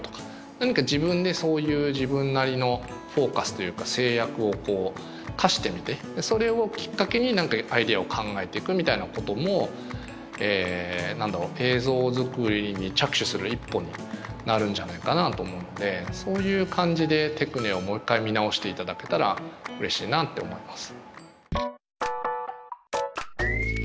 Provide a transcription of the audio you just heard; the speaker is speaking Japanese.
何か自分でそういう自分なりのフォーカスというか制約を課してみてそれをきっかけに何かアイデアを考えていくみたいなことも何だろう映像作りに着手する一歩になるんじゃないかなと思うのでそういう感じでテクネをもう一回見直していただけたらうれしいなって思います。